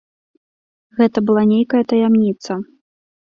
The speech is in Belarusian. Гэта была нейкая таямніца.